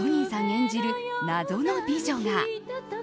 演じる謎の美女が。